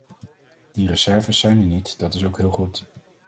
Die reserves zijn er niet, dat is ook heel goed.